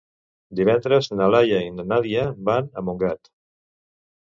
Divendres na Laia i na Nàdia van a Montgat.